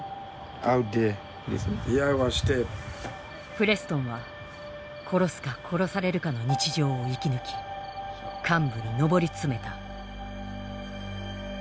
プレストンは殺すか殺されるかの日常を生き抜き幹部に上り詰めた。